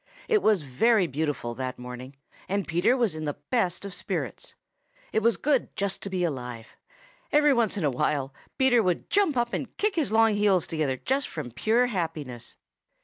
It was very beautiful that morning, and Peter was in the best of spirits. It was good just to be alive. Every once in a while Peter would jump up and kick his long heels together just from pure happiness.